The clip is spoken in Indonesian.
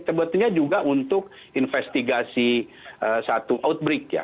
sebetulnya juga untuk investigasi satu outbreak ya